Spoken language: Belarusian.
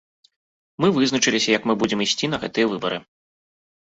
Мы вызначыліся, як мы будзем ісці на гэтыя выбары.